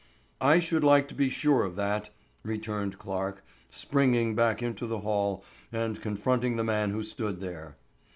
"I should like to be sure of that," returned Clarke, springing back into the hall and confronting the man who stood there.